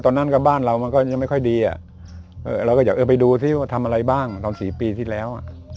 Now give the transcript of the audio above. ตอนนั้นกับบ้านเรามันก็ยังไม่ค่อยดีเราก็อยากไปดูซิว่าทำอะไรบ้างตอน๔ปีที่แล้ว